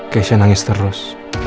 keisha nangis terus